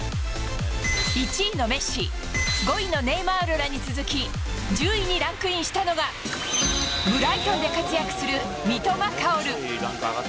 １位のメッシ、５位のネイマールらに続き、１０位にランクインしたのが、ブライトンで活躍する三笘薫。